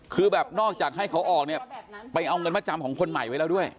คือแบบนอกจากให้เขาออกเนี่ยไปเอาเงินมาจำของคนใหม่ไว้แล้วด้วย